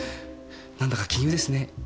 なんだか奇遇ですね。